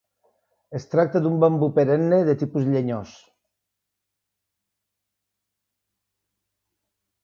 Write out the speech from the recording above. Es tracta d'un bambú perenne de tipus llenyós.